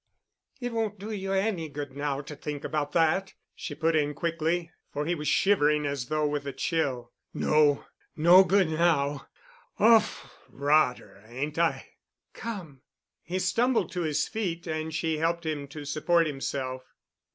"It won't do you any good now to think about that," she put in quickly, for he was shivering as though with a chill. "No. No goo' now. Awf' rotter, ain't I?" "Come——" He stumbled to his feet and she helped him to support himself.